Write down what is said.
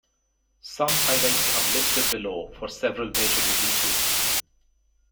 Some highlights are listed below for several major releases.